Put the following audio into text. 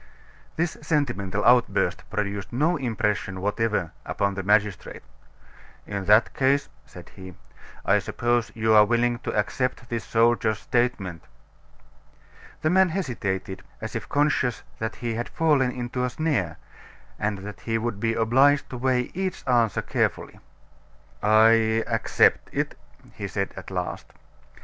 This sentimental outburst produced no impression whatever upon the magistrate. "In that case," said he, "I suppose you are willing to accept this soldier's statement." The man hesitated, as if conscious that he had fallen into a snare, and that he would be obliged to weigh each answer carefully. "I accept it," said he at last.